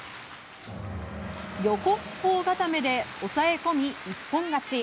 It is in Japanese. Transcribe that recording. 横四方固めで抑え込み一本勝ち。